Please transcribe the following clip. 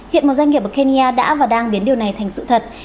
hiện một doanh nghiệp ở kenya đã và đang biến điều này thành sự thật